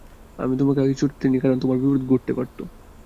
আমি তোমাকে আগে ছুটতে দেইনি কারণ তোমার বিপদ ঘটতে পারতো।